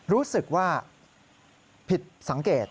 รู้สึกว่าผิดสังเกต